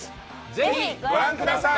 ぜひご覧ください。